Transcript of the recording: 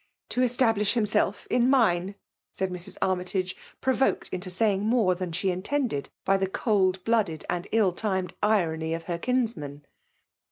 " To establish himself in mine,*^ replied Mrs. Armytagc, provoked into saying more than she intended^ by the cold blooded and ill* timed i^ny of her kinsman.